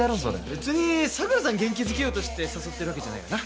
別に桜さん元気づけようとして誘ってるわけじゃないよな？